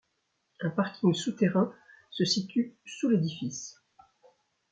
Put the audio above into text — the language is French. Un parking souterrain se situe sous l'édifice.